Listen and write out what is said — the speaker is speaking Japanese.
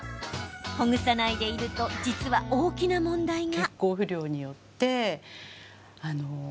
ほぐさないでいると実は大きな問題が。